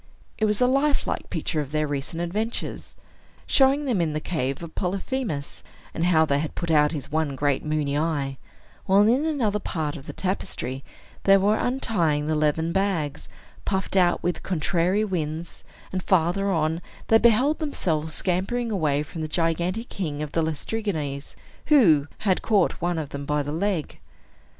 It was a life like picture of their recent adventures, showing them in the cave of Polyphemus, and how they had put out his one great moony eye; while in another part of the tapestry they were untying the leathern bags, puffed out with contrary winds; and farther on, they beheld themselves scampering away from the gigantic king of the Laestrygons, who had caught one of them by the leg.